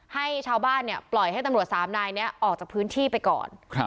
ให้ชาวบ้านปล่อยให้ตำรวจสามนายนี้ออกจากพื้นที่ไปก่อน